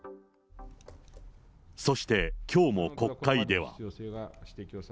そして、きょうも国会では。